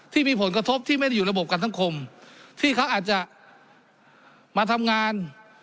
ที่มีผลกระทบที่ไม่ได้อยู่ระบบกันสังคมที่เขาอาจจะมาทำงาน